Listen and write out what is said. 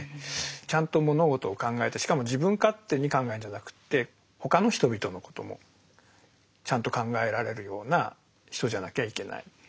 ちゃんと物事を考えてしかも自分勝手に考えるんじゃなくって他の人々のこともちゃんと考えられるような人じゃなきゃいけない。